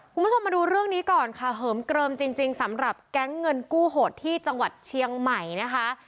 คุณผู้ชมมาดูเรื่องนี้ก่อนค่ะเหิมเกลิมจริงสำหรับแก๊งเงินกู้โหดที่จังหวัดเชียงใหม่นะคะ